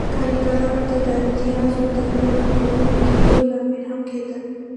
کارګرانو ته د امتیاز د نه ورکول کېدو لامل هم کېده.